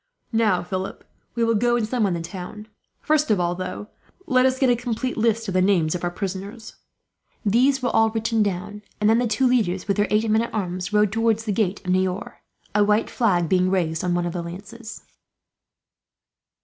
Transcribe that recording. "Now, Philip, we will go and summon the town. First of all, though, let us get a complete list of the names of our prisoners." These were all written down, and then the two leaders, with their eight men at arms, rode towards the gates of Niort, a white flag being raised on one of the lances.